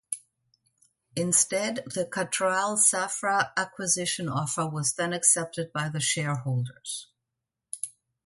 Instead the Cutrale-Safra acquisition offer was then accepted by the shareholders.